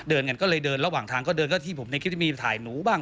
เดินกันก็เลยเดินระหว่างทางก็เดินก็ที่ผมในคลิปที่มีถ่ายหนูบ้าง